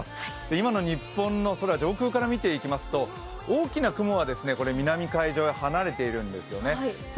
今の日本の空、上空から見ていきますと、大きな雲は南海上で離れているんですね。